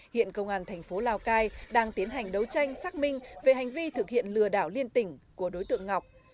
hiện công an thành phố lào cai đang tiến hành đấu tranh xác minh về hành vi thực hiện lừa đảo liên tỉnh của đối tượng ngọc